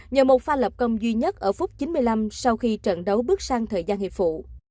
nhờ một pha lập công duy nhất ở phút chín mươi năm sau khi trận đấu bước sang thời gian hiệp vụ